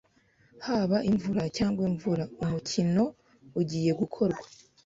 Haba imvura cyangwa imvura, umukino ugiye gukorwa.